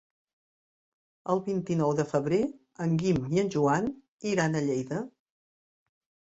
El vint-i-nou de febrer en Guim i en Joan iran a Lleida.